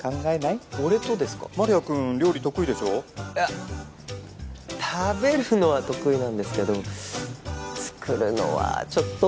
いや食べるのは得意なんですけど作るのはちょっと。